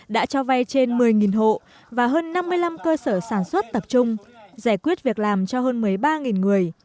đã cho vay trên một mươi hộ và hơn năm mươi năm cơ sở sản xuất tập trung giải quyết việc làm cho hơn một mươi ba người